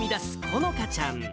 このかちゃん。